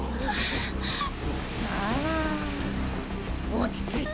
落ち着いて。